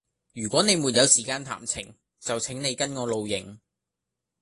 如果你沒有時間談情，就請你跟我露營。